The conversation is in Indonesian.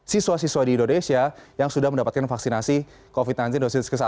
siswa siswa di indonesia yang sudah mendapatkan vaksinasi covid sembilan belas dosis ke satu